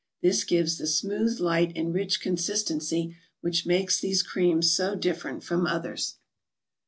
This gives the smooth, light and rich consistency which makes these creams so different from others.